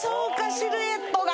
シルエットが。